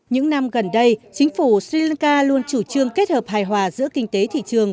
những năm gần đây chính phủ sri lanka luôn chủ trương kết hợp hài hòa giữa kinh tế thị trường